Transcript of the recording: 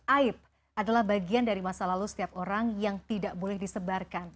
aib adalah bagian dari masa lalu setiap orang yang tidak boleh disebarkan